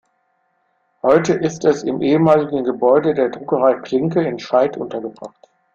Heute ist es im ehemaligen Gebäude der Druckerei Klinke in Scheidt untergebracht.